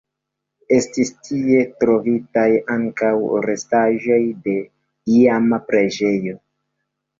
Estis tie trovitaj ankaŭ restaĵoj de iama preĝejo.